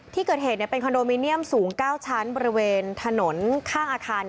ที่เกิดเหตุเป็นคอนโดมิเนียมสูง๙ชั้นบริเวณถนนข้างอาคาร